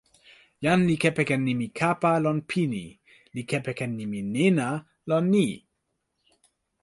jan li kepeken nimi kapa lon pini li kepeken nimi nena lon ni.